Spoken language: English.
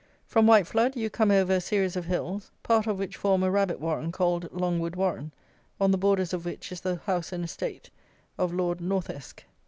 From Whiteflood you come over a series of hills, part of which form a rabbit warren called Longwood warren, on the borders of which is the house and estate of Lord Northesk.